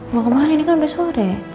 mau kemarin ini kan udah sore